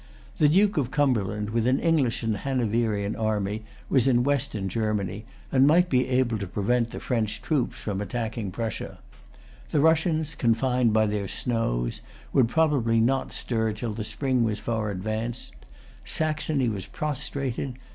The Duke of Cumberland with an English and Hanoverian army was in Western Germany, and might be able to prevent the French troops from attacking Prussia. The Russians, confined by their snows, would probably not stir till the spring was far advanced. Saxony was prostrated.